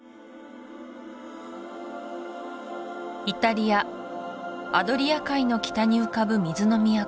イタリアアドリア海の北に浮かぶ水の都